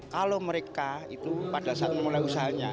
kalau mereka itu pada saat memulai usahanya